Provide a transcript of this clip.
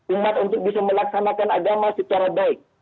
umat untuk bisa melaksanakan agama secara baik